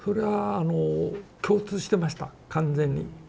あの共通してました完全に。